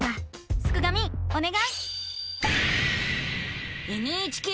すくがミおねがい！